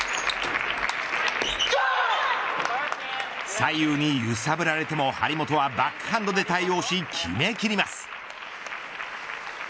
左右に揺さぶられても張本はバックハンドで対応し決め切ります。